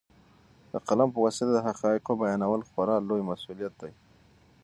د قلم په واسطه د حقایقو بیانول خورا لوی مسوولیت دی.